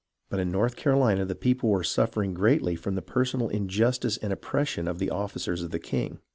But in North Carolina the people were suffering greatly from the personal injustice and oppression of the officers of the king.